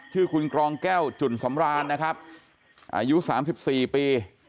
ชื่อคุณกรองแก้วจุ่นสำราญนะครับอายุ๓๔ปี